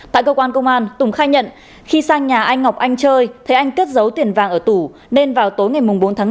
tại cơ quan công an tùng khai nhận khi sang nhà anh ngọc anh chơi thấy anh kết dấu tiền vàng ở tủ